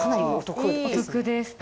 お得です。